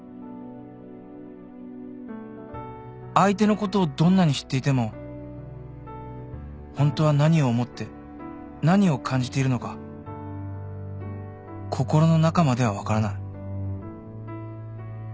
相手のことをどんなに知っていてもホントは何を思って何を感じているのか心の中までは分からない